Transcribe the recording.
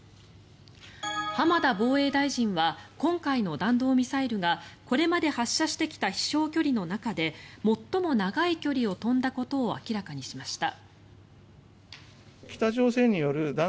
浜田防衛大臣は今回の弾道ミサイルがこれまで発射してきた飛翔距離の中で最も長い距離を飛んだことを明らかにしました。